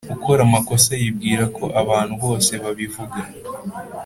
ukora amakosa yibwira ko abantu bose babivuga.